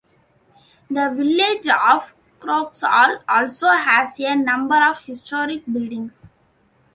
The village of Croxall also has a number of historic buildings.